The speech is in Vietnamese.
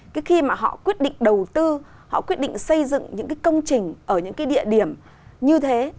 cái khi mà họ quyết định đầu tư họ quyết định xây dựng những cái công trình ở những cái địa điểm như thế